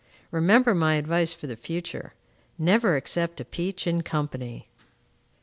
Remember my advice for the future. Never accept a peach in company.